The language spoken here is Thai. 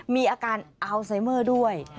มีอาการอัลไซเมอร์ด้วย